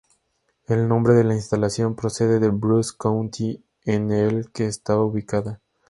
El nombre de la instalación procede de Bruce County en el que está ubicada.